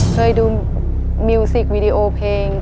เคยดูมิวสิกวีดีโอเพลง